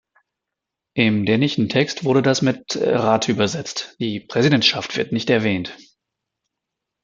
Im dänischen Text wurde das mit "Rat" übersetzt, die Präsidentschaft wird nicht erwähnt.